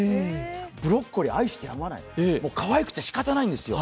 ブロッコリー愛してやまない、かわいくてしかたないんですよ。